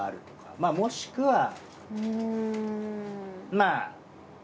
まあもしくはまあ。